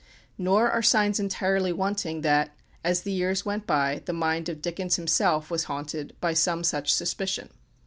Nor are signs entirely wanting that, as the years went by, the mind of Dickens himself was haunted by some such suspicion.